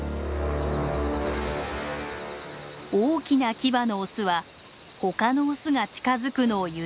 大きなキバのオスは他のオスが近づくのを許しません。